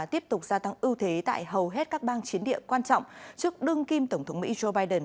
tiếp tục gia tăng ưu thế tại hầu hết các bang chiến địa quan trọng trước đương kim tổng thống mỹ joe biden